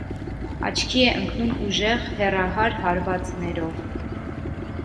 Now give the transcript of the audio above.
Աչքի է ընկնում ուժեղ հեռահար հարվածներով։